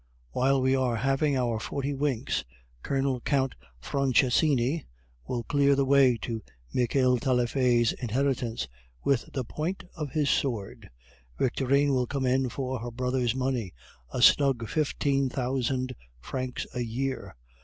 While we are having our forty winks, Colonel Count Franchessini will clear the way to Michel Taillefer's inheritance with the point of his sword. Victorine will come in for her brother's money, a snug fifteen thousand francs a year.